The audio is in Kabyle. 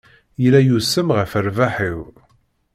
Yella yusem ɣef rrbeḥ-iw.